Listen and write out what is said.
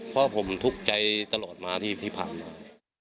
เพราะผมทุกข์ใจตลอดมาที่ผ่านมา